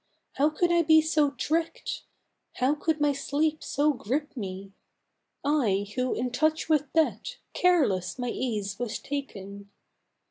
How could I be so tricked? how could my sleep so grip me? I who, in touch with death, careless my ease was taking!"